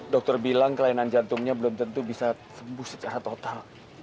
dokter bilang kelainan jantungnya belum tentu bisa sembuh secara total